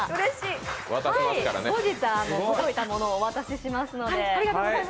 後日、届いたものをお渡ししますので。